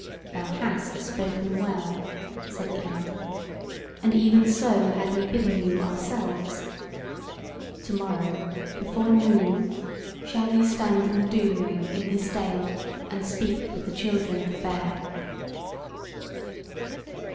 "Thou hast spoken well," said the elder; "and even so had we bidden you ourselves. To morrow, before noon, shall ye stand in the Doom ring in this Dale, and speak with the children of the Bear."